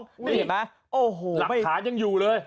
นี่เห็นไหมโอ้โหหลักฐานยังอยู่เลย